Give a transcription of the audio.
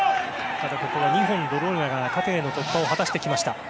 ただ、ここは２本、ロローニャが縦への突破を果たしてきました。